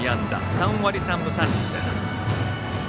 ３割３分３厘です。